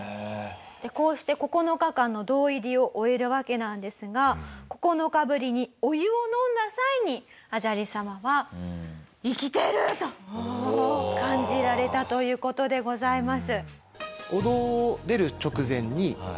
こうして９日間の堂入りを終えるわけなんですが９日ぶりにお湯を飲んだ際に阿闍梨さまは生きてるー！！と感じられたという事でございます。